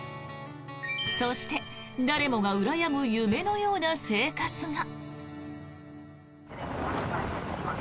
そして、誰もがうらやむ夢のような生活が。